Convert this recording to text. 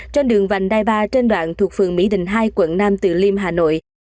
trên đường vành đai ba trên đoạn thuộc phường mỹ đình hai quận nam từ liêm hà nội